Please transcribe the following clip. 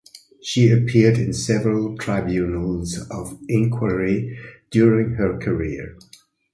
She appeared in several tribunals of inquiry during her career.